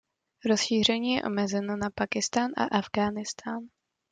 Rozšíření je omezeno na Pákistán a Afghánistán.